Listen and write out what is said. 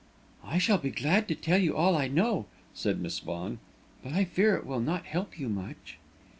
"I shall be glad to tell you all I know," said Miss Vaughan, "but I fear it will not help you much."